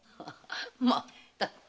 まったく。